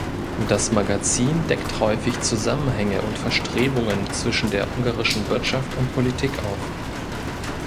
Das Magazin deckt häufig Zusammenhänge und Verstrebungen zwischen der ungarischen Wirtschaft und Politik auf.